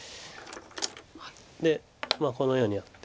でこのようにやって。